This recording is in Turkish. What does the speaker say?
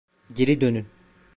Geri dönün!